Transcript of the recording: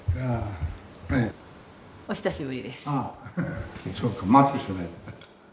お久しぶりです。